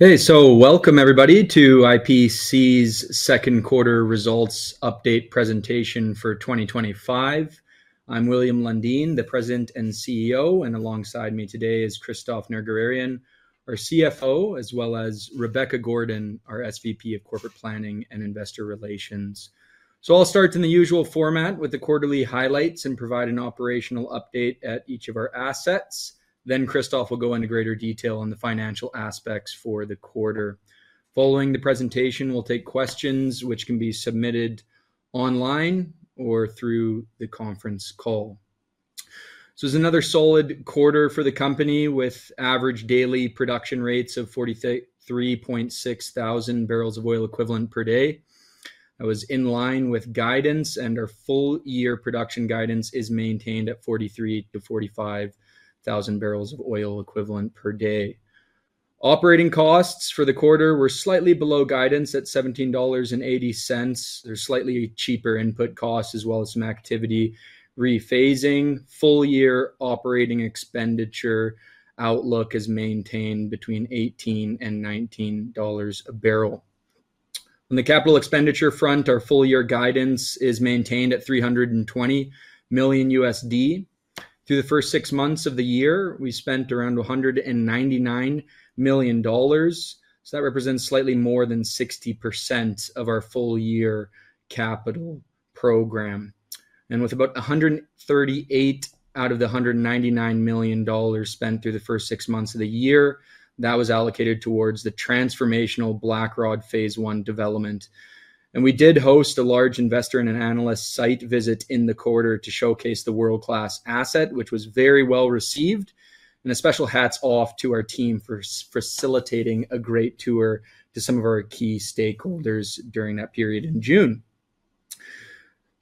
Hey, so welcome everybody to IPC's Second Quarter Results Update Presentation for 2025. I'm William Lundin, the President and CEO, and alongside me today is Christophe Nerguararian, our CFO, as well as Rebecca Gordon, our SVP of Corporate Planning and Investor Relations. I'll start in the usual format with the quarterly highlights and provide an operational update at each of our assets. Christophe will go into greater detail on the financial aspects for the quarter. Following the presentation, we'll take questions, which can be submitted online or through the conference call. It's another solid quarter for the company with average daily production rates of 43,600 bbl of oil equivalent per day. That was in line with guidance, and our full year production guidance is maintained at 43,000 bbl-45,000 bbl of oil equivalent per day Operating costs for the quarter were slightly below guidance at $17.80. There are slightly cheaper input costs, as well as some activity re-phasing. Full year operating expenditure outlook is maintained between $18 and $19 a barrel. On the capital expenditure front, our full year guidance is maintained at $320 million. Through the first six months of the year, we spent around $199 million. That represents slightly more than 60% of our full year capital program. With about $138 million out of the $199 million spent through the first six months of the year, that was allocated towards the transformational Blackrod Phase I development. We did host a large investor and analyst site visit in the quarter to showcase the world-class asset, which was very well received. A special hats off to our team for facilitating a great tour to some of our key stakeholders during that period in June.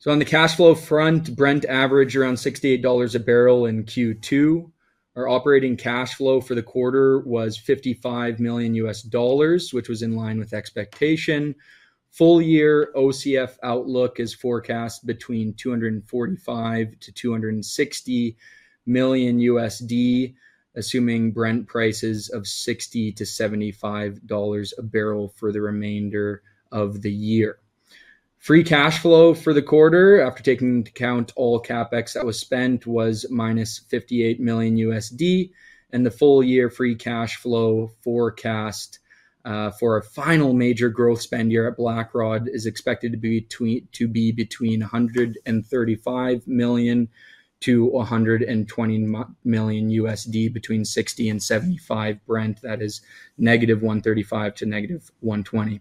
On the cash flow front, Brent averaged around $68 a barrel in Q2. Our operating cash flow for the quarter was $55 million, which was in line with expectation. Full year OCF outlook is forecast between $245 million-$260 million, assuming Brent prices of $60-$75 a barrel for the remainder of the year. Free cash flow for the quarter, after taking into account all capex that was spent, was -$58 million. The full year free cash flow forecast, for a final major growth spend year at Blackrod, is expected to be between -$135 million to -$120 million, between $60 and $75 Brent. That is -$135 million to -$120 million.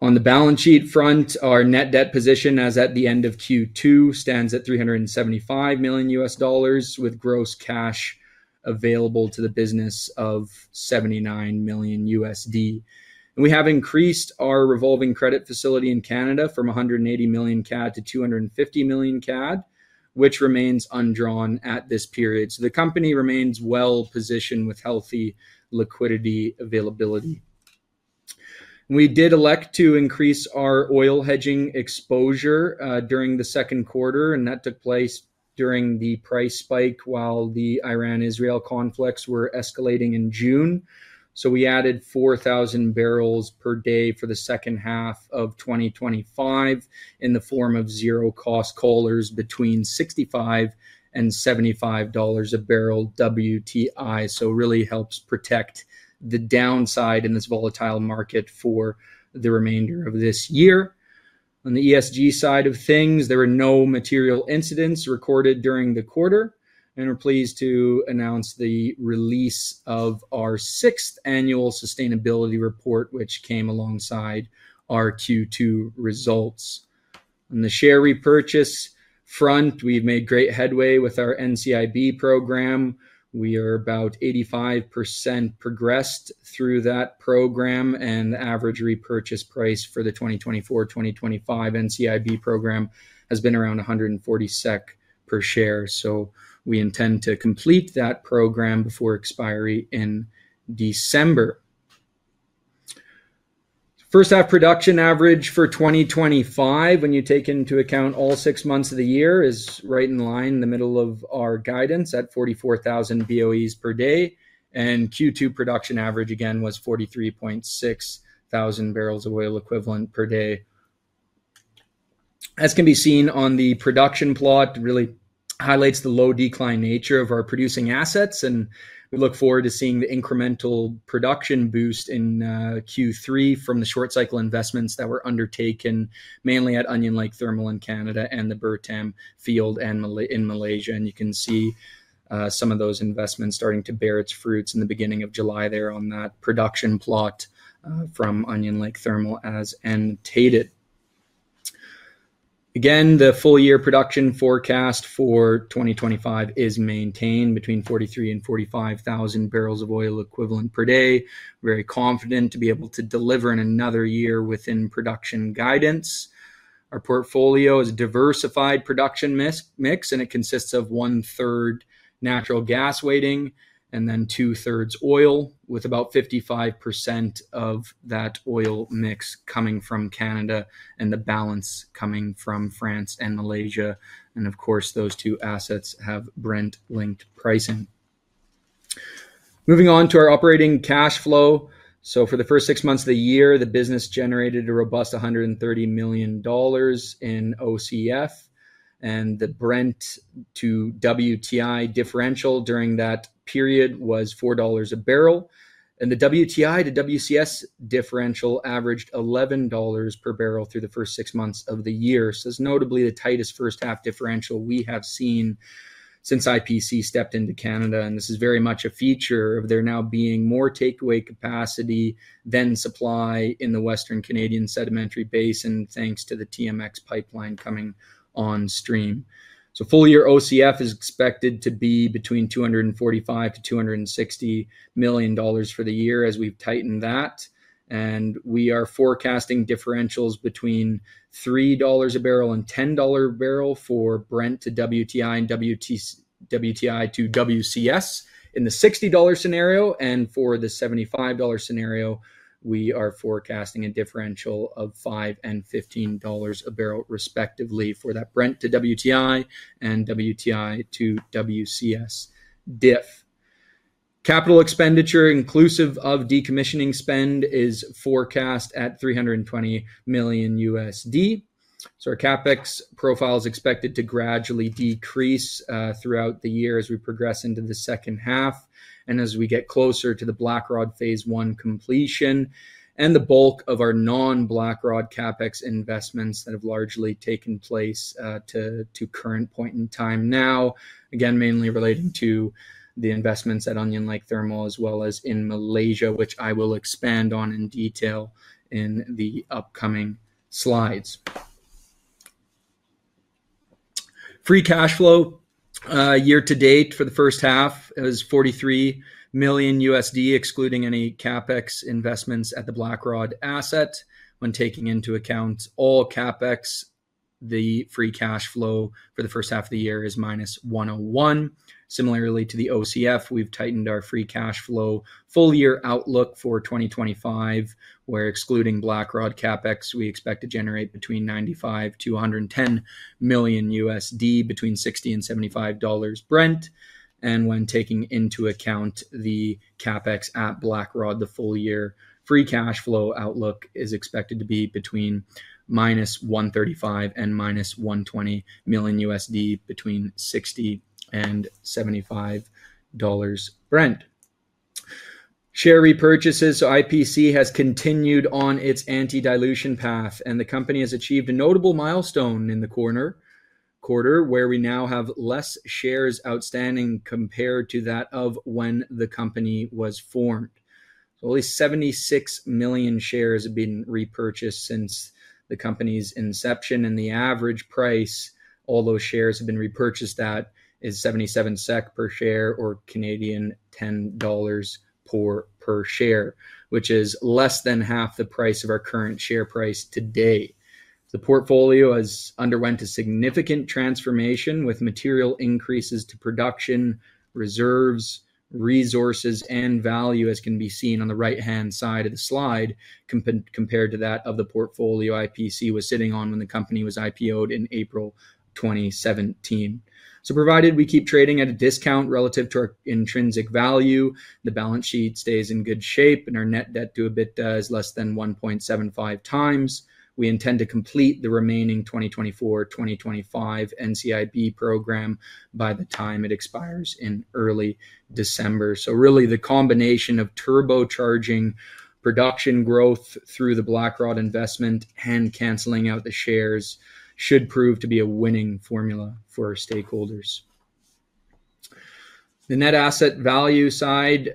On the balance sheet front, our net debt position as at the end of Q2 stands at $375 million, with gross cash available to the business of $79 million. We have increased our revolving credit facility in Canada from 180 million-250 million CAD, which remains undrawn at this period. The company remains well positioned with healthy liquidity availability. We did elect to increase our oil hedging exposure during the second quarter, and that took place during the price spike while the Iran-Israel conflicts were escalating in June. We added 4,000 bpd for the second half of 2025 in the form of zero-cost collars between $65 and $75 a barrel WTI. It really helps protect the downside in this volatile market for the remainder of this year. On the ESG side of things, there were no material incidents recorded during the quarter, and we're pleased to announce the release of our sixth annual sustainability report, which came alongside our Q2 results. On the share repurchase front, we've made great headway with our NCIB program. We are about 85% progressed through that program, and the average repurchase price for the 2024-2025 NCIB program has been around $140 per share. We intend to complete that program before expiry in December. First half production average for 2025, when you take into account all six months of the year, is right in line in the middle of our guidance at 44,000 BOE per day. Q2 production average again was 43,600 bbl of oil equivalent per day. As can be seen on the production plot, it really highlights the low decline nature of our producing assets, and we look forward to seeing the incremental production boost in Q3 from the short cycle investments that were undertaken, mainly at Onion Lake Thermal in Canada and the Bertam field in Malaysia. You can see some of those investments starting to bear its fruits in the beginning of July there on that production plot, from Onion Lake Thermal as annotated. The full year production forecast for 2025 is maintained between 43,000 bbl and 45,000 bbl of oil equivalent per day. Very confident to be able to deliver in another year within production guidance. Our portfolio is a diversified production mix, and it consists of 1/3 natural gas weighting and then 2/3 oil, with about 55% of that oil mix coming from Canada and the balance coming from France and Malaysia. Of course, those two assets have Brent-linked pricing. Moving on to our operating cash flow. For the first six months of the year, the business generated a robust $130 million in operating cash flow, and the Brent to WTI differential during that period was $4 a barrel. The WTI to WCS differential averaged $11 per barrel through the first six months of the year. It is notably the tightest first half differential we have seen since International Petroleum Corporation stepped into Canada, and this is very much a feature of there now being more takeaway capacity than supply in the Western Canadian sedimentary basin, thanks to the TMX pipeline coming on stream. Full year operating cash flow is expected to be between $245 million-$260 million for the year as we've tightened that. We are forecasting differentials between $3 a barrel and $10 a barrel for Brent to WTI and WTI to WCS in the $60 scenario. For the $75 scenario, we are forecasting a differential of $5 a barrel and $15 a barrel, respectively, for that Brent to WTI and WTI to WCS differential. Capital expenditure, inclusive of decommissioning spend, is forecast at $320 million. Our capex profile is expected to gradually decrease throughout the year as we progress into the second half and as we get closer to the Blackrod Phase I completion and the bulk of our non-Blackrod capex investments that have largely taken place to the current point in time now. Again, mainly relating to the investments at Onion Lake Thermal, as well as in Malaysia, which I will expand on in detail in the upcoming slides. Free cash flow year to date for the first half is $43 million, excluding any capex investments at the Blackrod asset. When taking into account all capex, the free cash flow for the first half of the year is -$101 million. Similarly, to the operating cash flow, we've tightened our free cash flow full year outlook for 2025. Where excluding Blackrod capex, we expect to generate between $95 million-$110 million between $60 and $75 Brent. When taking into account the capex at Blackrod, the full year free cash flow outlook is expected to be between -$135 million and -$120 million between $60 and $75 Brent. Share repurchases, International Petroleum Corporation has continued on its anti-dilution path, and the company has achieved a notable milestone in the quarter where we now have fewer shares outstanding compared to that of when the company was formed. Only 76 million shares have been repurchased since the company's inception, and the average price all those shares have been repurchased at is $0.77 per share or 10.00 Canadian dollars per share, which is less than half the price of our current share price today. The portfolio has undergone a significant transformation with material increases to production, reserves, resources, and value, as can be seen on the right-hand side of the slide, compared to that of the portfolio International Petroleum Corporation was sitting on when the company was IPO'd in April 2017. Provided we keep trading at a discount relative to our intrinsic value, the balance sheet stays in good shape, and our net debt to EBITDA is less than 1.75 times, we intend to complete the remaining 2024-2025 NCIB program by the time it expires in early December. The combination of turbocharging production growth through the Blackrod investment and canceling out the shares should prove to be a winning formula for our stakeholders. On the net asset value side,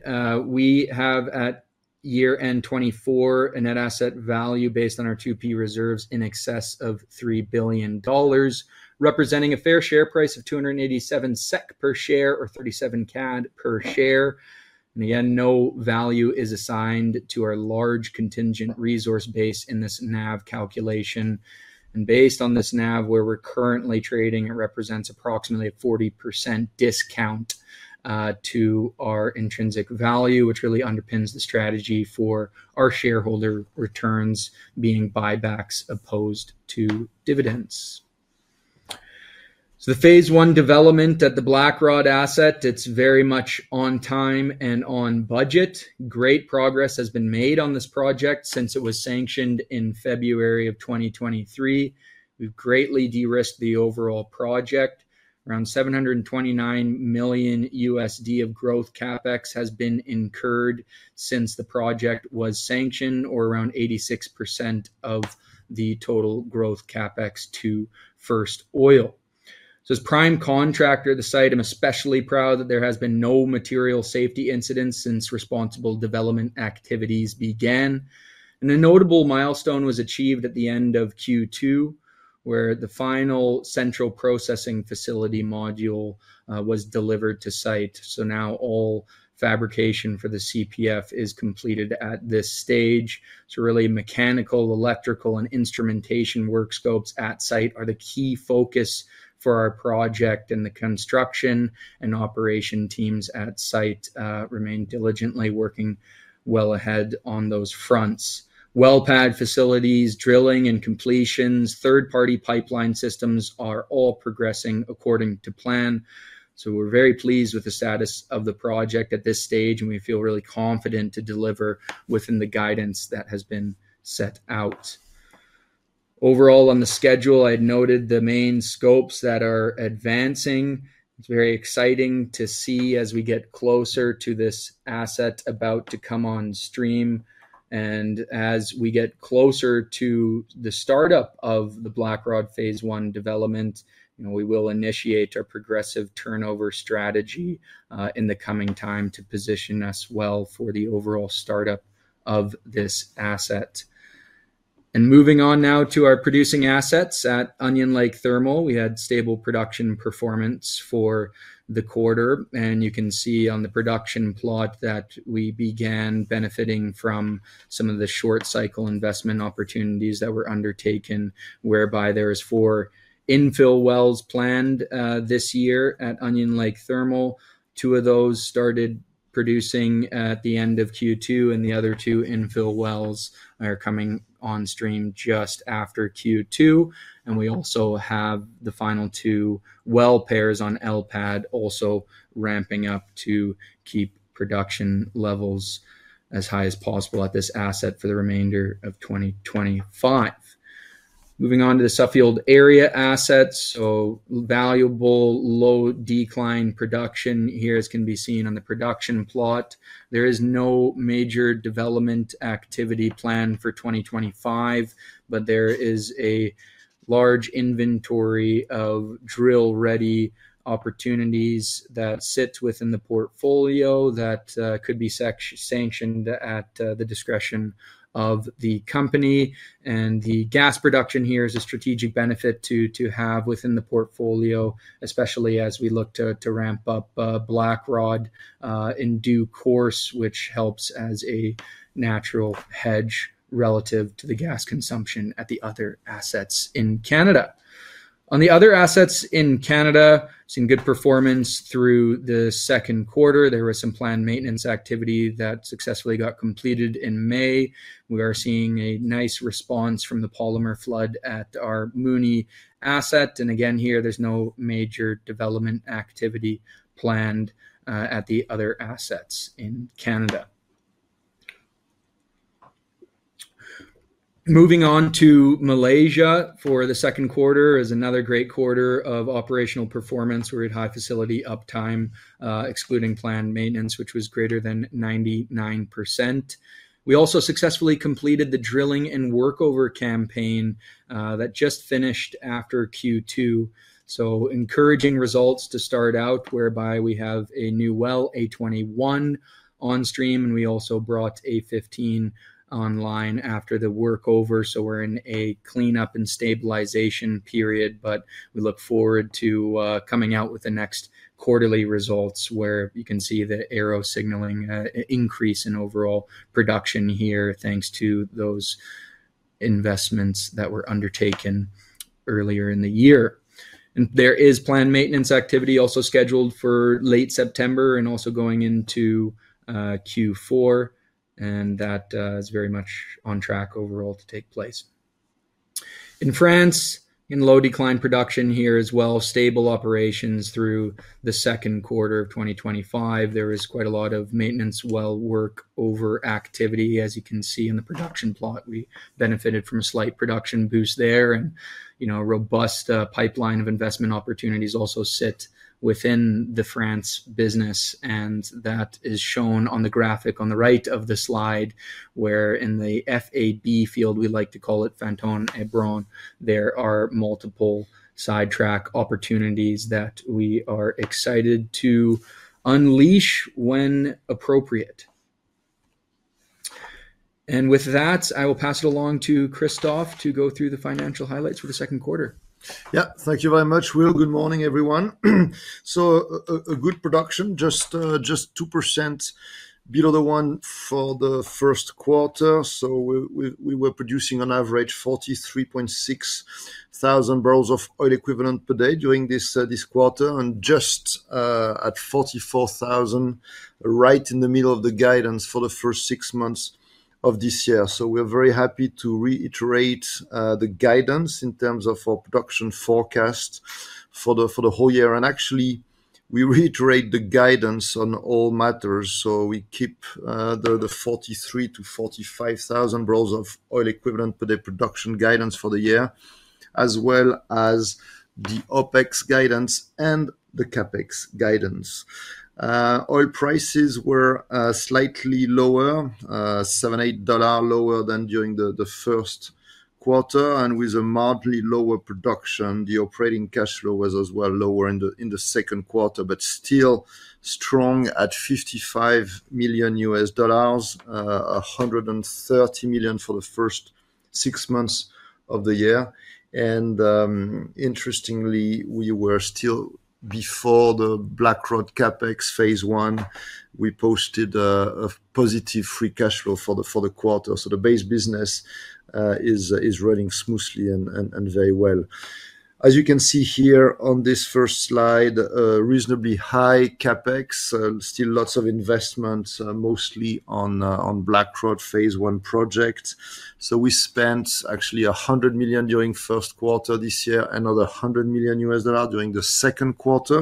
we have at year end 2024 a net asset value based on our 2P reserves in excess of $3 billion, representing a fair share price of $287 per share or 37 CAD per share. Again, no value is assigned to our large contingent resource base in this NAV calculation. Based on this NAV, where we're currently trading, it represents approximately a 40% discount to our intrinsic value, which really underpins the strategy for our shareholder returns being buybacks as opposed to dividends. The Phase I development at the Blackrod asset is very much on time and on budget. Great progress has been made on this project since it was sanctioned in February 2023. We've greatly de-risked the overall project. Around $729 million of growth capex has been incurred since the project was sanctioned, or around 86% of the total growth capex to First Oil. As prime contractor of the site, I'm especially proud that there have been no material safety incidents since responsible development activities began. A notable milestone was achieved at the end of Q2, where the final central processing facility module was delivered to site. Now all fabrication for the CPF is completed at this stage. Mechanical, electrical, and instrumentation work scopes at site are the key focus for our project, and the construction and operation teams at site remain diligently working well ahead on those fronts. Well-pad facilities, drilling, and completions, third-party pipeline systems are all progressing according to plan. We are very pleased with the status of the project at this stage, and we feel really confident to deliver within the guidance that has been set out. Overall, on the schedule, I had noted the main scopes that are advancing. It is very exciting to see as we get closer to this asset about to come on stream. As we get closer to the startup of the Blackrod Phase I development, we will initiate a progressive turnover strategy in the coming time to position us well for the overall startup of this asset. Moving on now to our producing assets at Onion Lake Thermal, we had stable production performance for the quarter. You can see on the production plot that we began benefiting from some of the short cycle investment opportunities that were undertaken, whereby there are four infill wells planned this year at Onion Lake Thermal. Two of those started producing at the end of Q2, and the other two infill wells are coming on stream just after Q2. We also have the final two well pairs on L-Pad also ramping up to keep production levels as high as possible at this asset for the remainder of 2025. Moving on to the Suffield area assets, valuable low decline production here, as can be seen on the production plot. There is no major development activity planned for 2025, but there is a large inventory of drill-ready opportunities that sit within the portfolio that could be sanctioned at the discretion of the company. The gas production here is a strategic benefit to have within the portfolio, especially as we look to ramp up Blackrod in due course, which helps as a natural hedge relative to the gas consumption at the other assets in Canada. On the other assets in Canada, seeing good performance through the second quarter. There was some planned maintenance activity that successfully got completed in May. We are seeing a nice response from the polymer flood at our Mooney asset. Again, here there is no major development activity planned at the other assets in Canada. Moving on to Malaysia for the second quarter is another great quarter of operational performance where we had high facility uptime, excluding planned maintenance, which was greater than 99%. We also successfully completed the drilling and workover campaign that just finished after Q2. Encouraging results to start out, whereby we have a new well, A21 on stream, and we also brought A15 online after the workover. We are in a cleanup and stabilization period, but we look forward to coming out with the next quarterly results where you can see the arrow signaling an increase in overall production here thanks to those investments that were undertaken earlier in the year. There is planned maintenance activity also scheduled for late September and also going into Q4, and that is very much on track overall to take place. In France, in low decline production here as well, stable operations through the second quarter of 2025. There is quite a lot of maintenance well workover activity. As you can see in the production plot, we benefited from a slight production boost there, and a robust pipeline of investment opportunities also sit within the France business. That is shown on the graphic on the right of the slide where in the Fantôme et Brune field, there are multiple sidetrack opportunities that we are excited to unleash when appropriate. With that, I will pass it along to Christophe Nerguararian to go through the financial highlights for the second quarter. Yeah, thank you very much, Will. Good morning, everyone. A good production, just 2% below the one for the first quarter. We were producing on average 43,600 bbl of oil equivalent per day during this quarter and just at 44,000 bbl, right in the middle of the guidance for the first six months of this year. We're very happy to reiterate the guidance in terms of our production forecast for the whole year. Actually, we reiterate the guidance on all matters. We keep the 43,000 bbl-45,000 bbl of oil equivalent per day production guidance for the year, as well as the OpEx guidance and the CapEx guidance. Oil prices were slightly lower, $7-$8 lower than during the first quarter, and with a mildly lower production. The operating cash flow was as well lower in the second quarter, but still strong at $55 million, $130 million for the first six months of the year. Interestingly, we were still before the Blackrod Phase I CapEx. We posted a positive free cash flow for the quarter. The base business is running smoothly and very well. As you can see here on this first slide, reasonably high CapEx, still lots of investments, mostly on Blackrod Phase I projects. We spent actually $100 million during the first quarter this year, another $100 million during the second quarter.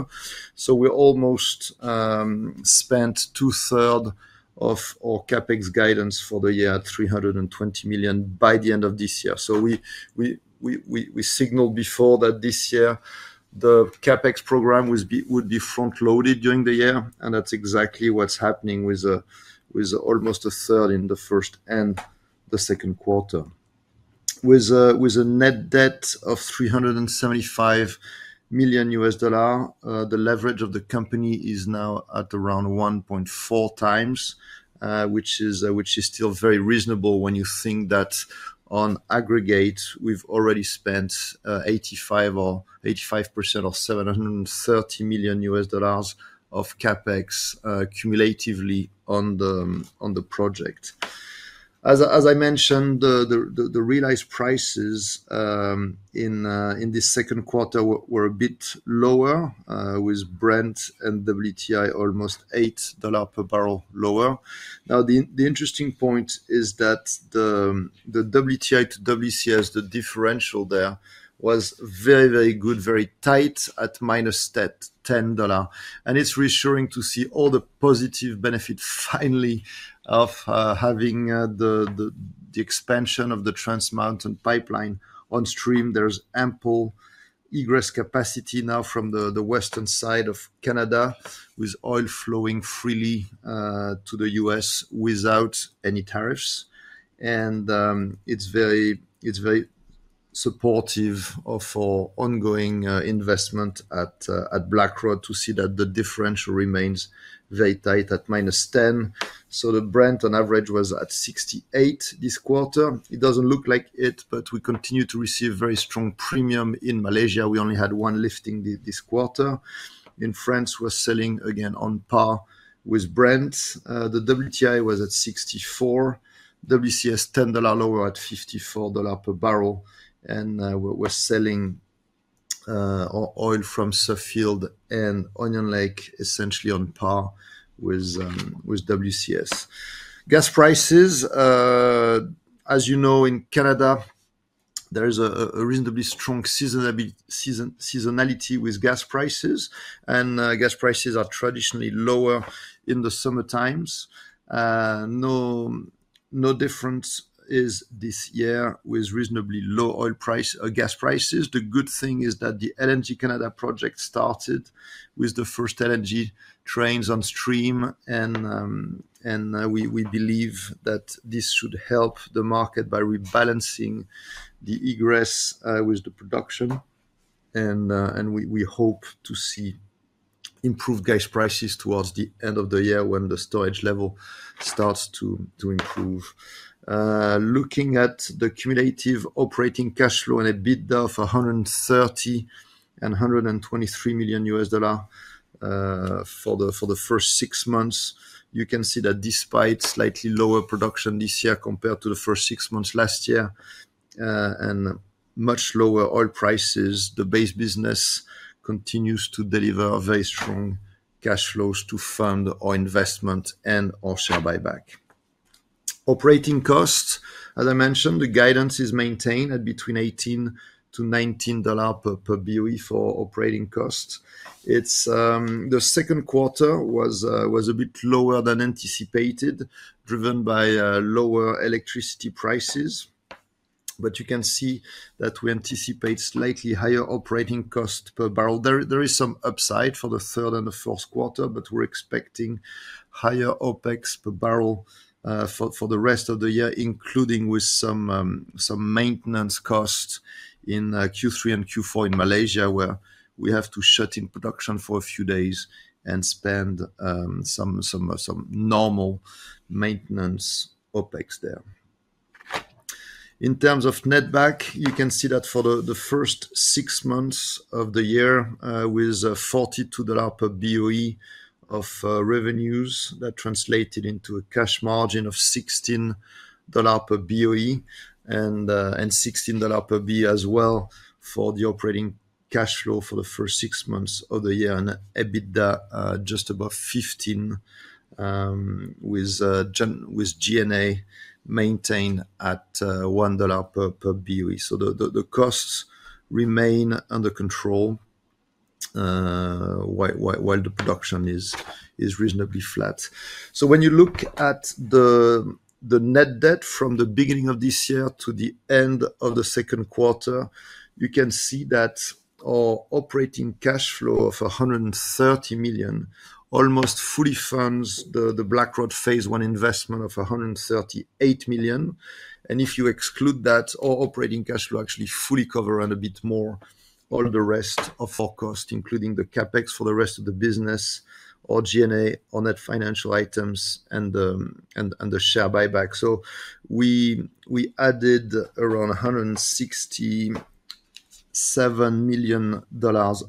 We almost spent 2/3 of our CapEx guidance for the year at $320 million by the end of this year. We signaled before that this year the CapEx program would be front-loaded during the year, and that's exactly what's happening with almost a third in the first and the second quarter. With a net debt of $375 million, the leverage of the company is now at around 1.4 times, which is still very reasonable when you think that on aggregate, we've already spent 85% or $730 million of CapEx cumulatively on the project. As I mentioned, the realized prices in this second quarter were a bit lower, with Brent and WTI almost $8 per barrel lower. The interesting point is that the WTI to WCS, the differential there was very, very good, very tight at -$10. It's reassuring to see all the positive benefits finally of having the expansion of the Trans Mountain pipeline on stream. There's ample egress capacity now from the western side of Canada with oil flowing freely to the U.S. without any tariffs. It's very supportive of our ongoing investment at Blackrod to see that the differential remains very tight at -$10. The Brent on average was at $68 this quarter. It doesn't look like it, but we continue to receive very strong premium in Malaysia. We only had one lifting this quarter. In France, we're selling again on par with Brent. The WTI was at $64, WCS $10 lower at $54 per barrel, and we're selling oil from Suffield and Onion Lake essentially on par with WCS. Gas prices, as you know, in Canada, there is a reasonably strong seasonality with gas prices, and gas prices are traditionally lower in the summertime. No difference this year with reasonably low oil price or gas prices. The good thing is that the LNG Canada project started with the first LNG trains on stream, and we believe that this should help the market by rebalancing the egress with the production. We hope to see improved gas prices towards the end of the year when the storage level starts to improve. Looking at the cumulative operating cash flow and EBITDA of $130 million and $123 million for the first six months, you can see that despite slightly lower production this year compared to the first six months last year and much lower oil prices, the base business continues to deliver very strong cash flows to fund our investment and our share buyback. Operating costs, as I mentioned, the guidance is maintained at between $18-$19 per BOE for operating costs. The second quarter was a bit lower than anticipated, driven by lower electricity prices. You can see that we anticipate slightly higher operating costs per barrel. There is some upside for the third and the fourth quarter, but we're expecting higher OpEx per barrel for the rest of the year, including with some maintenance costs in Q3 and Q4 in Malaysia, where we have to shut in production for a few days and spend some normal maintenance OpEx there. In terms of netback, you can see that for the first six months of the year with $42 per BOE of revenues, that translated into a cash margin of $16 per BOE and $16 per BOE as well for the operating cash flow for the first six months of the year. EBITDA just above $15 with G&A maintained at $1 per BOE. The costs remain under control while the production is reasonably flat. When you look at the net debt from the beginning of this year to the end of the second quarter, you can see that our operating cash flow of $130 million almost fully funds the Blackrod Phase I investment of $138 million. If you exclude that, our operating cash flow actually fully covers and a bit more all the rest of our costs, including the CapEx for the rest of the business, all G&A, all net financial items, and the share buyback. We added around $167 million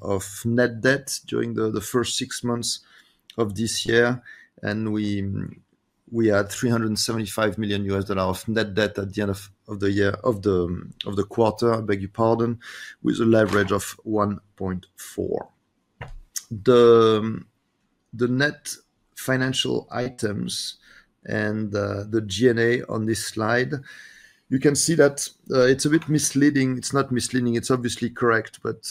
of net debt during the first six months of this year, and we had $375 million of net debt at the end of the quarter, with a leverage of 1.4. The net financial items and the G&A on this slide, you can see that it's a bit misleading. It's not misleading. It's obviously correct, but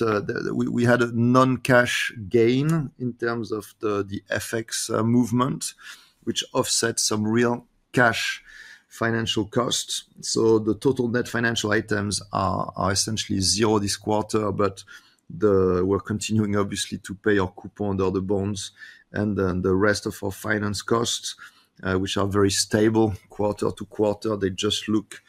we had a non-cash gain in terms of the FX movement, which offsets some real cash financial costs. The total net financial items are essentially zero this quarter, but we're continuing, obviously, to pay our coupon under the bonds. The rest of our finance costs, which are very stable quarter to quarter, just look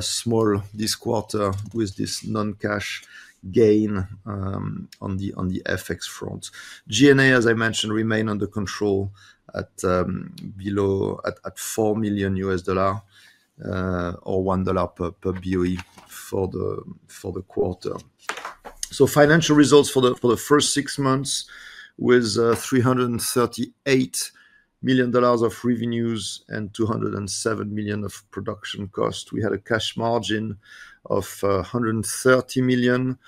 small this quarter with this non-cash gain on the FX front. G&A, as I mentioned, remained under control at below $4 million or $1 per BOE for the quarter. Financial results for the first six months were $338 million of revenues and $207 million of production costs. We had a cash margin of $130 million,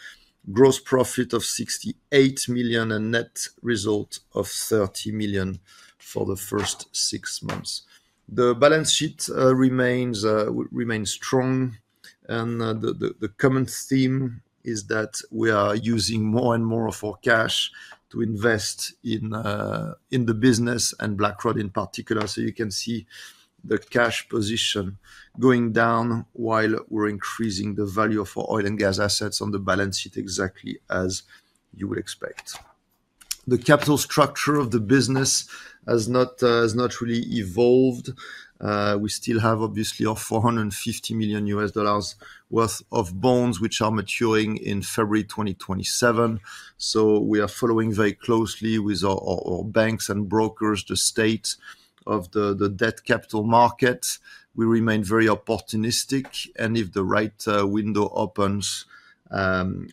gross profit of $68 million, and net result of $30 million for the first six months. The balance sheet remains strong, and the common theme is that we are using more and more of our cash to invest in the business and Blackrod in particular. You can see the cash position going down while we're increasing the value of our oil and gas assets on the balance sheet exactly as you would expect. The capital structure of the business has not really evolved. We still have, obviously, our $450 million worth of bonds, which are maturing in February 2027. We are following very closely with our banks and brokers the state of the debt capital market. We remain very opportunistic, and if the right window opens,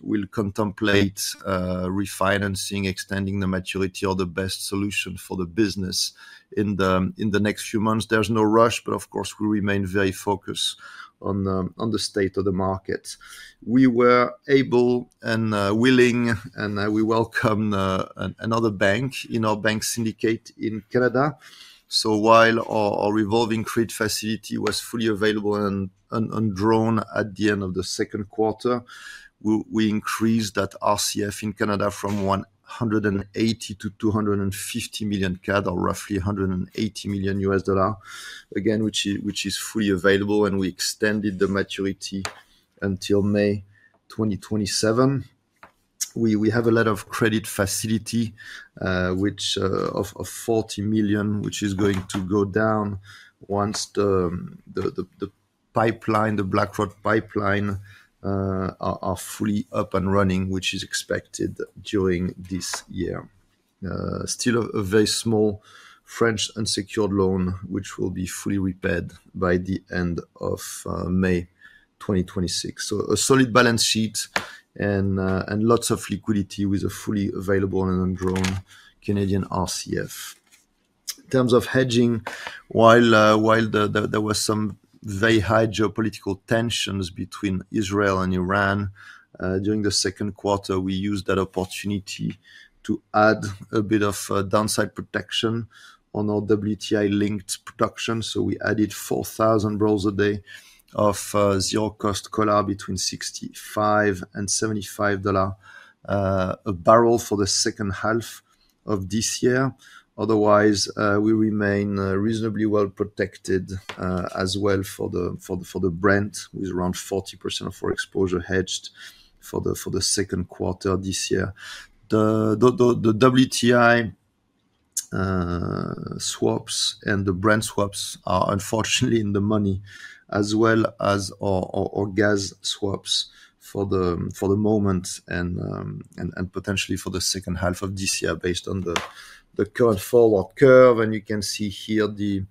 we'll contemplate refinancing, extending the maturity or the best solution for the business in the next few months. There's no rush, but of course, we remain very focused on the state of the market. We were able and willing, and we welcome another bank in our bank syndicate in Canada. While our revolving credit facility was fully available and drawn at the end of the second quarter, we increased that RCF in Canada from $180 million to 250 million CAD, or roughly $180 million, which is fully available, and we extended the maturity until May 2027. We have a lot of credit facility, which of $40 million, which is going to go down once the Blackrod pipeline are fully up and running, which is expected during this year. Still a very small French unsecured loan, which will be fully repaid by the end of May 2026. A solid balance sheet and lots of liquidity with a fully available and drawn Canadian revolving credit facility. In terms of hedging, while there were some very high geopolitical tensions between Israel and Iran during the second quarter, we used that opportunity to add a bit of downside protection on our WTI-linked production. We added 4,000 a day of zero-cost collars between $65 and $75 a barrel for the second half of this year. Otherwise, we remain reasonably well protected as well for the Brent, with around 40% of our exposure hedged for the second quarter this year. The WTI swaps and the Brent swaps are unfortunately in the money, as well as our gas swaps for the moment and potentially for the second half of this year based on the current forward curve. You can see here the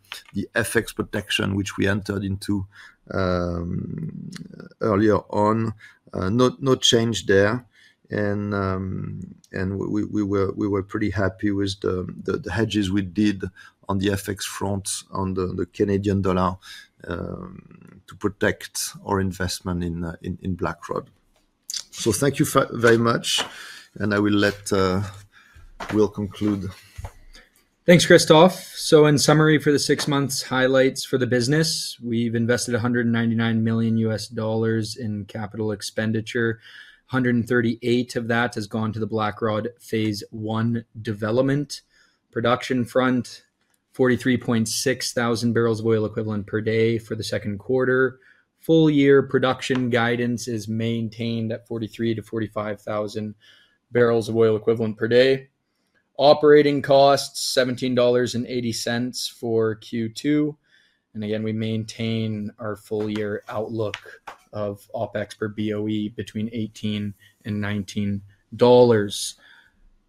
FX protection, which we entered into earlier on, no change there. We were pretty happy with the hedges we did on the FX fronts on the Canadian dollar to protect our investment in Blackrod. Thank you very much, and I will let Will conclude. Thanks, Christophe. In summary, for the six months highlights for the business, we've invested $199 million in capital expenditure. $138 million of that has gone to the Phase I development. On the production front, 43,600 bbl of oil equivalent per day for the second quarter. Full year production guidance is maintained at 43,000 bbl-45,000 bbl of oil equivalent per day. Operating costs, $17.80 for Q2. We maintain our full year outlook of OpEx per BOE between $18 and $19.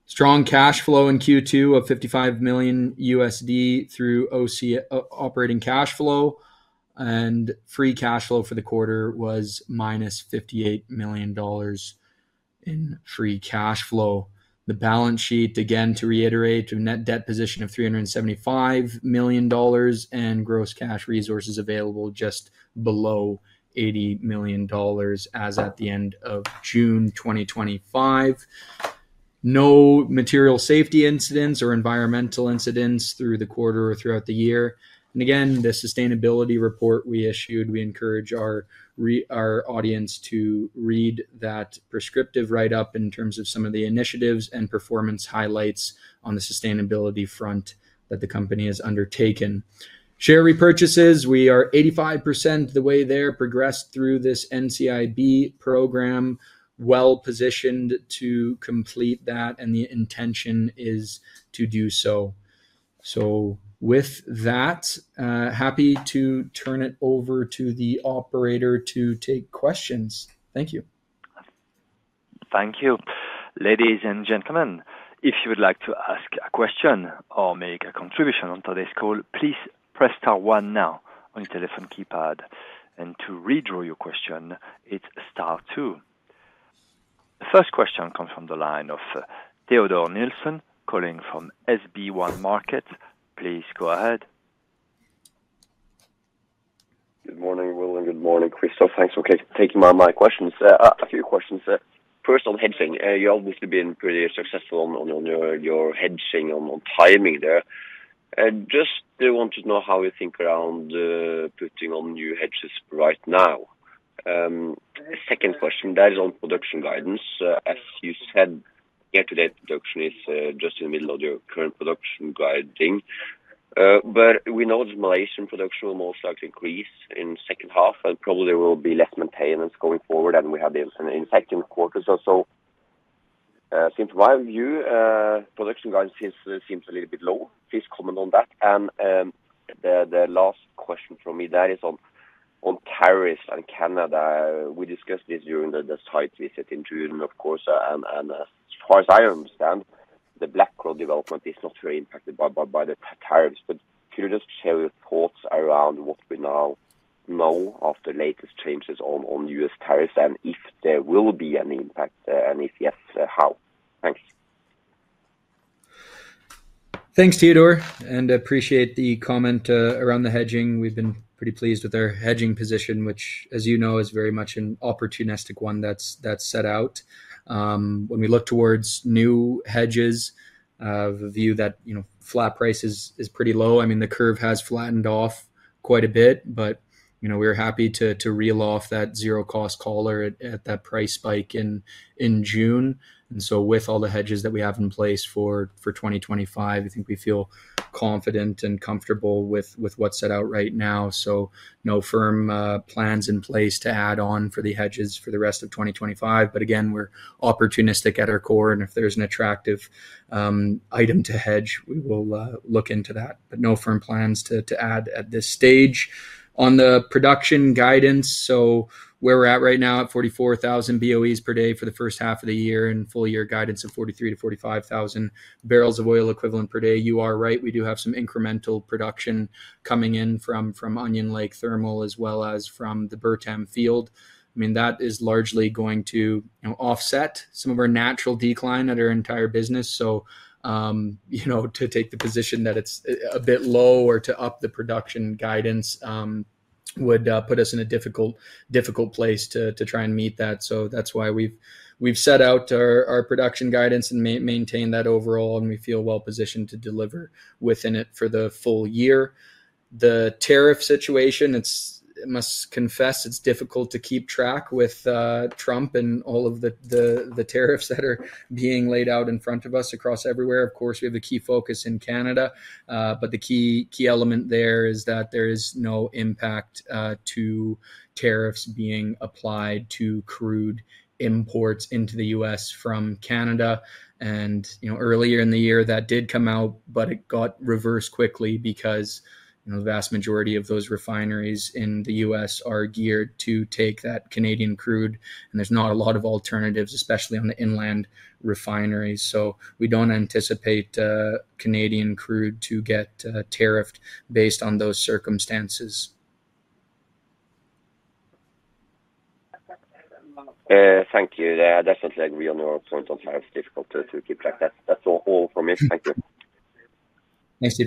Strong cash flow in Q2 of $55 million through operating cash flow. Free cash flow for the quarter was -$58 million in free cash flow. The balance sheet, again, to reiterate, a net debt position of $375 million and gross cash resources available just below $80 million as at the end of June 2025. No material safety incidents or environmental incidents through the quarter or throughout the year. The sustainability report we issued, we encourage our audience to read that prescriptive write-up in terms of some of the initiatives and performance highlights on the sustainability front that the company has undertaken. Share repurchases, we are 85% of the way there progressed through this NCIB program, well positioned to complete that, and the intention is to do so. With that, happy to turn it over to the operator to take questions. Thank you. Thank you. Ladies and gentlemen, if you would like to ask a question or make a contribution on today's call, please press star one now on your telephone keypad. To withdraw your question, it's star two. First question comes from the line of Teodor Sveen-Nilsen calling from Sparebank 1 Markets AS. Please go ahead. Good morning, Will, and good morning, Christophe. Thanks for taking my questions. A few questions there. First on hedging, you obviously have been pretty successful on your hedging on timing there. I just wanted to know how you think around putting on new hedges right now. Second question, that is on production guidance. As you said, here today, production is just in the middle of your current production guidance. We know that Malaysian production will most likely increase in the second half, and probably there will be less maintenance going forward, and we have the second quarter or so. In my view, production guidance seems a little bit low. Please comment on that. The last question for me, that is on tariffs and Canada. We discussed this during the site visit in June, of course. As far as I Blackrod Phase I development is not very impacted by the tariffs. Could you just share your thoughts around what we now know after the latest changes on U.S. tariffs and if there will be any impact, and if yes, how? Thanks, Teodor. I appreciate the comment around the hedging. We've been pretty pleased with our hedging position, which, as you know, is very much an opportunistic one that's set out. When we look towards new hedges, we view that flat price is pretty low. The curve has flattened off quite a bit, but we're happy to reel off that zero-cost collar at that price spike in June. With all the hedges that we have in place for 2025, I think we feel confident and comfortable with what's set out right now. No firm plans in place to add on for the hedges for the rest of 2025. Again, we're opportunistic at our core, and if there's an attractive item to hedge, we will look into that. No firm plans to add at this stage. On the production guidance, where we're at right now at 44,000 bbl of oil equivalent per day for the first half of the year and full year guidance of 43,000 bbl-45,000 bbl of oil equivalent per day. You are right. We do have some incremental production coming in from Onion Lake Thermal as well as from the Bertam field. That is largely going to offset some of our natural decline at our entire business. To take the position that it's a bit low or to up the production guidance would put us in a difficult place to try and meet that. That's why we've set out our production guidance and maintained that overall, and we feel well positioned to deliver within it for the full year. The tariff situation, I must confess, it's difficult to keep track with Trump and all of the tariffs that are being laid out in front of us across everywhere. Of course, we have a key focus in Canada, but the key element there is that there is no impact to tariffs being applied to crude imports into the U.S. from Canada. Earlier in the year, that did come out, but it got reversed quickly because the vast majority of those refineries in the U.S. are geared to take that Canadian crude, and there's not a lot of alternatives, especially on the inland refineries. We don't anticipate Canadian crude to get tariffed based on those circumstances. Thank you. Yeah, definitely a real no point on tariffs. Difficult to keep track. That's all for me. Thank you. Thanks,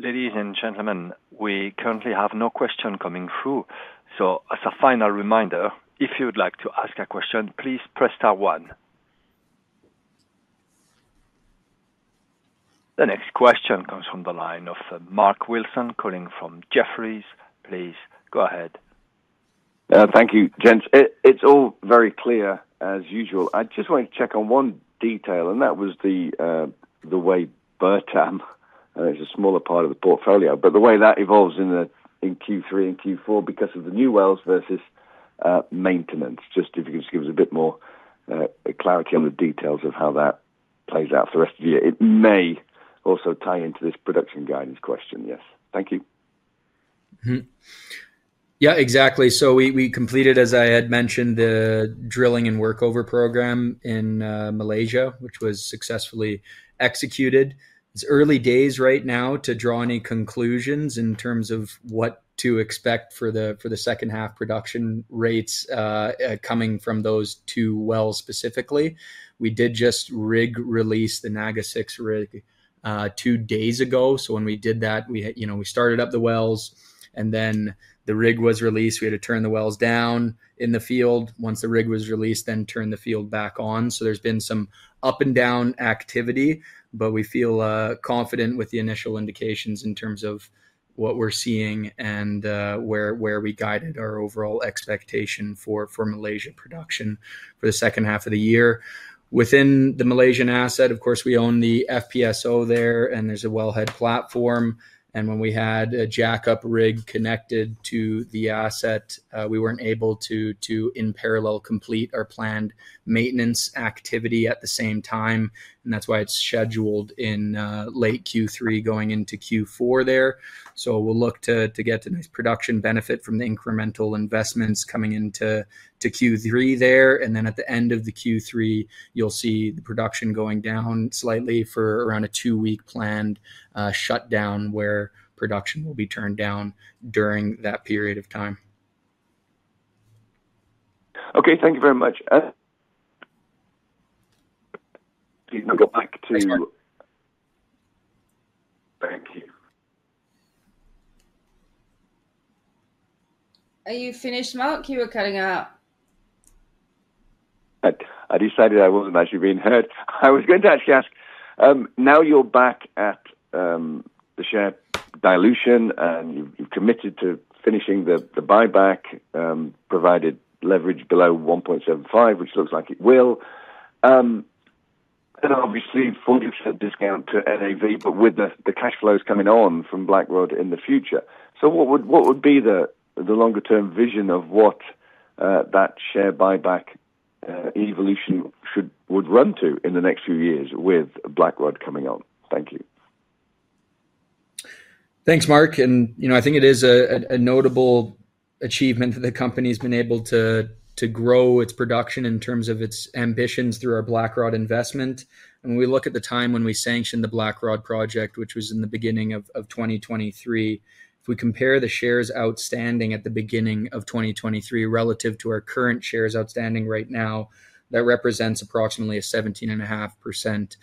Theodore. Ladies and gentlemen, we currently have no question coming through. As a final reminder, if you would like to ask a question, please press star one. The next question comes from the line of Mark Wilson calling from Jefferies. Please go ahead. Thank you, James. It's all very clear as usual. I just wanted to check on one detail, and that was the way Bertam, and it's a smaller part of the portfolio, but the way that evolves in Q3 and Q4 because of the new wells versus maintenance. If you could just give us a bit more clarity on the details of how that plays out for the rest of the year. It may also tie into this production guidance question, yes. Thank you. Yeah, exactly. We completed, as I had mentioned, the drilling and workover program in Malaysia, which was successfully executed. It's early days right now to draw any conclusions in terms of what to expect for the second half production rates coming from those two wells specifically. We did just rig release the Naga 6 rig two days ago. When we did that, we started up the wells, and then the rig was released. We had to turn the wells down in the field. Once the rig was released, we turned the field back on. There's been some up and down activity, but we feel confident with the initial indications in terms of what we're seeing and where we guided our overall expectation for Malaysia production for the second half of the year. Within the Malaysian asset, of course, we own the FPSO there, and there's a wellhead platform. When we had a jack-up rig connected to the asset, we weren't able to in parallel complete our planned maintenance activity at the same time. That's why it's scheduled in late Q3 going into Q4 there. We'll look to get to this production benefit from the incremental investments coming into Q3 there. At the end of Q3, you'll see the production going down slightly for around a two-week planned shutdown where production will be turned down during that period of time. Okay, thank you very much. Do you want to go back to? Thank you. Are you finished, Mark? You were cutting out. I decided I wasn't actually being heard. I was going to actually ask, now you're back at the share dilution, and you've committed to finishing the share buyback, provided leverage below 1.75, which looks like it will. Obviously, funders have discount to net asset value, with the cash flows coming on from Blackrod in the future. What would be the longer-term vision of what that share buyback evolution would run to in the next few years with Blackrod coming on? Thank you. Thanks, Mark. I think it is a notable achievement that the company's been able to grow its production in terms of its ambitions through our Blackrod investment. When we look at the time when we sanctioned the Blackrod project, which was in the beginning of 2023, if we compare the shares outstanding at the beginning of 2023 relative to our current shares outstanding right now, that represents approximately a 17.5%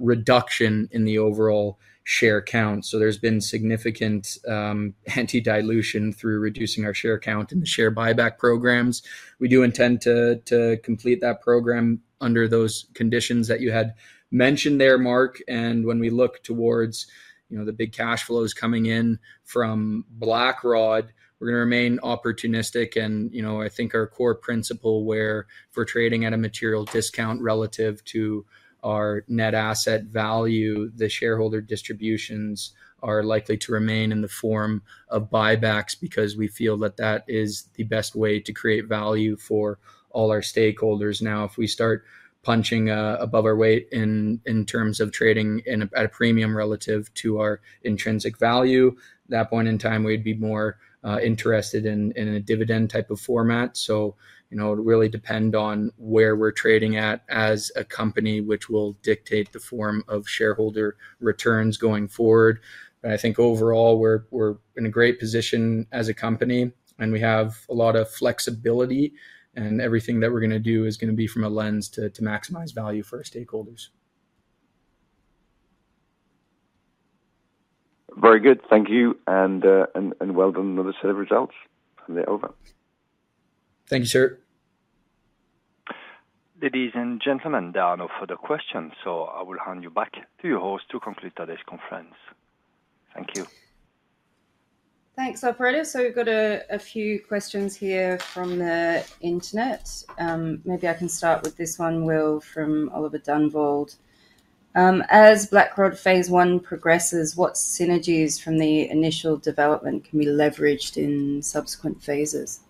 reduction in the overall share count. There's been significant anti-dilution through reducing our share count in the share buyback programs. We do intend to complete that program under those conditions that you had mentioned there, Mark. When we look towards the big cash flows coming in from Blackrod, we're going to remain opportunistic. I think our core principle where we're trading at a material discount relative to our net asset value, the shareholder distributions are likely to remain in the form of buybacks because we feel that that is the best way to create value for all our stakeholders. If we start punching above our weight in terms of trading at a premium relative to our intrinsic value, at that point in time, we'd be more interested in a dividend type of format. It would really depend on where we're trading at as a company, which will dictate the form of shareholder returns going forward. I think overall, we're in a great position as a company, and we have a lot of flexibility, and everything that we're going to do is going to be from a lens to maximize value for our stakeholders. Very good. Thank you. Well done with the results. Over. Thank you, sir. Ladies and gentlemen, there are no further questions. I will hand you back to your host to conclude today's conference. Thank you. Thanks, operator. We've got a few questions here from the internet. Maybe I can start with this one, Will, from Oliver Dunvale. As Blackrod Phase I progresses, what synergies from the initial development can be leveraged in subsequent phases?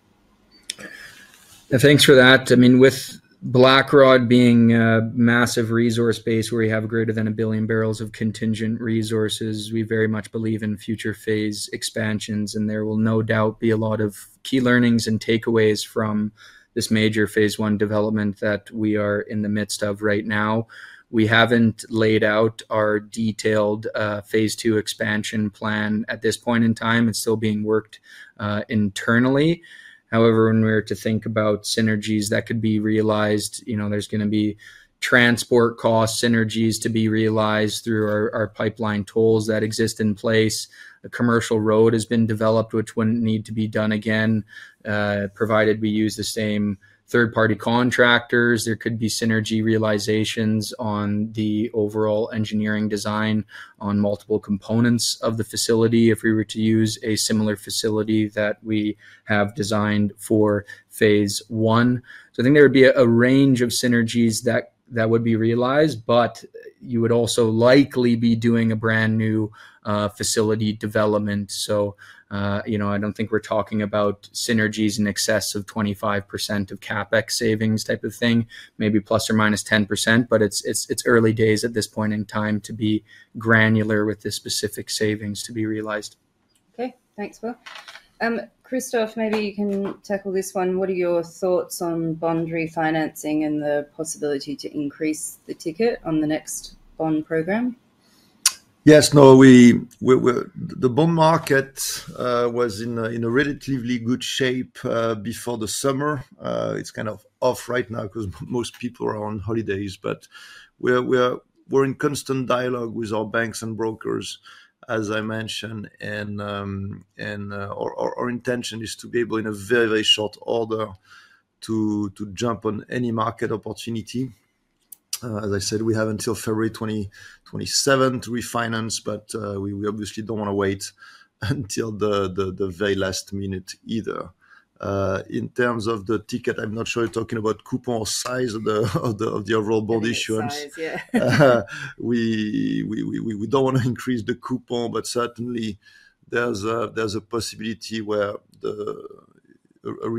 Thanks for that. I mean, with Blackrod being a massive resource base where we have greater than a billion barrels of contingent resources, we very much believe in future phase expansions. There will no doubt be a lot of key learnings and takeaways from this major Blackrod Phase I development that we are in the midst of right now. We haven't laid out our detailed phase II expansion plan at this point in time. It's still being worked internally. However, when we were to think about synergies that could be realized, you know there's going to be transport cost synergies to be realized through our pipeline tools that exist in place. A commercial road has been developed, which wouldn't need to be done again, provided we use the same third-party contractors. There could be synergy realizations on the overall engineering design on multiple components of the facility if we were to use a similar facility that we have designed for Phase I. I think there would be a range of synergies that would be realized, but you would also likely be doing a brand new facility development. I don't think we're talking about synergies in excess of 25% of capex savings type of thing, maybe ±10%, but it's early days at this point in time to be granular with the specific savings to be realized. Okay, thanks, Will. Christophe, maybe you can tackle this one. What are your thoughts on bond refinancing and the possibility to increase the ticket on the next bond program? Yes, no, the bond market was in a relatively good shape before the summer. It's kind of off right now because most people are on holidays, but we're in constant dialogue with our banks and brokers, as I mentioned. Our intention is to be able, in a very, very short order, to jump on any market opportunity. As I said, we have until February 2027 to refinance, but we obviously don't want to wait until the very last minute either. In terms of the ticket, I'm not sure you're talking about coupon size of the overall bond issuance. Size, yeah. We don't want to increase the coupon, but certainly, there's a possibility where a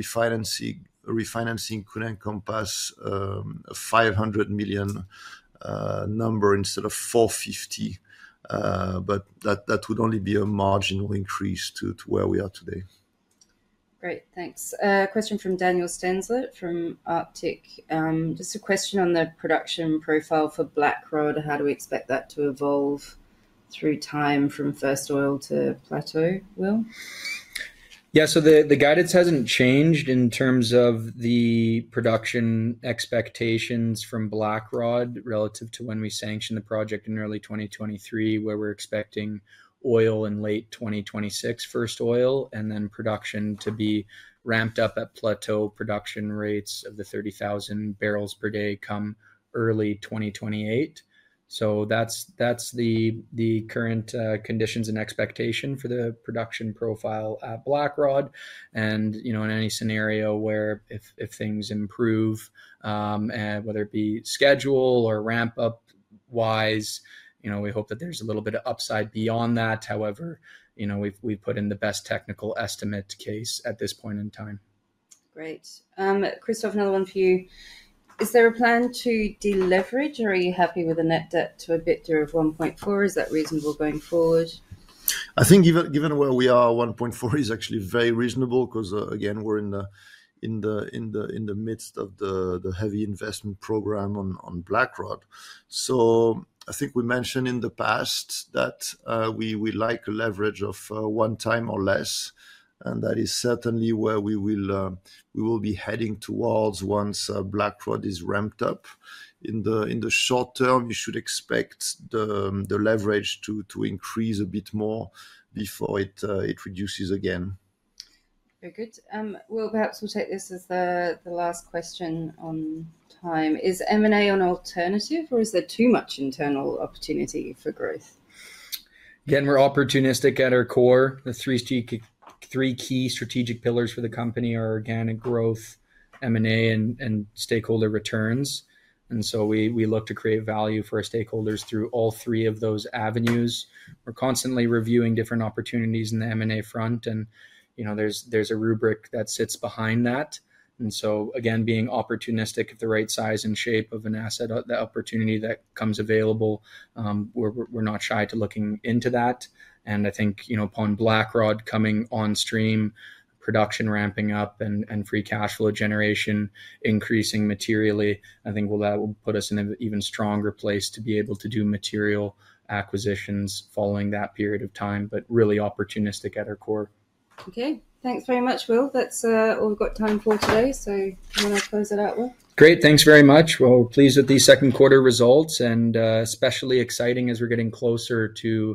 refinancing could encompass a $500 million number instead of $450 million, but that would only be a marginal increase to where we are today. Great, thanks. A question from Daniel Stenslett from Arctic. Just a question on the production profile for Blackrod. How do we expect that to evolve through time from first oil to plateau, Will? Yeah, the guidance hasn't changed in terms of the production expectations Phase I development relative to when we sanctioned the project in early 2023, where we're expecting oil in late 2026, first oil, and then production to be ramped up at plateau production rates of 30,000 bpd come early 2028. That's the current conditions and expectation for the production profile at Blackrod. In any scenario where if things improve, whether it be schedule or ramp up-wise, we hope that there's a little bit of upside beyond that. However, we've put in the best technical estimate case at this point in time. Great. Christophe, another one for you. Is there a plan to deleverage, or are you happy with a net debt to EBITDA of 1.4? Is that reasonable going forward? I think given where we are, 1.4 is actually very reasonable because, again, we're in the midst of the heavy investment program on Blackrod. I think we mentioned in the past that we like a leverage of one time or less, and that is certainly where we will be heading towards once Blackrod is ramped up. In the short term, you should expect the leverage to increase a bit more before it reduces again. Very good. Will, perhaps we'll take this as the last question on time. Is M&A an alternative, or is there too much internal opportunity for growth? Again, we're opportunistic at our core. The three key strategic pillars for the company are organic growth, M&A, and stakeholder returns. We look to create value for our stakeholders through all three of those avenues. We're constantly reviewing different opportunities in the M&A front, and there's a rubric that sits behind that. Being opportunistic at the right size and shape of an asset, the opportunity that comes available, we're not shy to looking into that. I think, upon Blackrod Phase I coming on stream, production ramping up, and free cash flow generation increasing materially, I think that will put us in an even stronger place to be able to do material acquisitions following that period of time, but really opportunistic at our core. Okay, thanks very much, Will. That's all we've got time for today. Do you want to close it out, Will? Great, thanks very much. Pleased with the second quarter results and especially exciting as we're getting closer Blackrod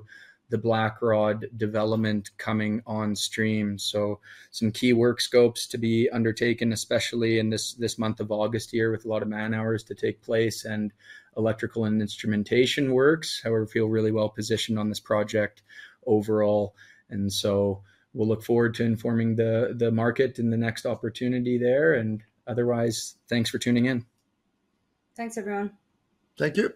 Phase I development coming on stream. Some key work scopes to be undertaken, especially in this month of August here with a lot of man hours to take place and electrical and instrumentation works. However, we feel really well positioned on this project overall. We'll look forward to informing the market in the next opportunity there. Otherwise, thanks for tuning in. Thanks, everyone. Thank you.